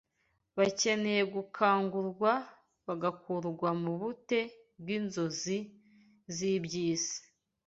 Bakeneye gukangurwa bagakurwa mu bute bw’inzozi z’iby’isi.